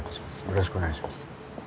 よろしくお願いします」